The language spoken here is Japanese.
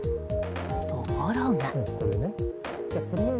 ところが。